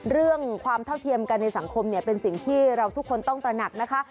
เรื่องความเท่าเทียมกันในสังคมเนี่ยเป็นสิ่งที่เราทุกคนต้องตระหนักนะคะ